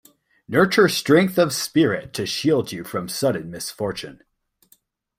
Nurture strength of spirit to shield you in sudden misfortune.